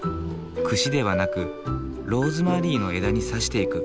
串ではなくローズマリーの枝に刺していく。